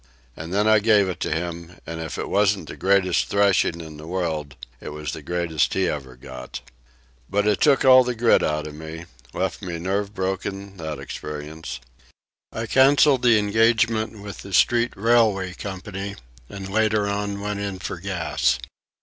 And then I gave it to him, and if it wasn't the greatest thrashing in the world, it was the greatest he ever got. But it took all the grit out of me, left me nerve broken, that experience. I canceled the engagement with the street railway company, and later on went in for gas.